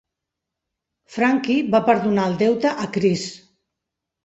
Frankie va perdonar el deute a Chris.